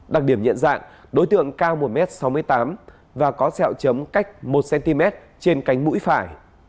đặc điểm nhận dạng đối tượng cao một m sáu mươi tám và có sẹo chấm cách một cm trên cánh mũi phải